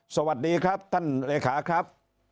สวัสดีครับท่านเลขาครับ